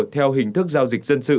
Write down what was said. theo hình thức giao dịch dân sự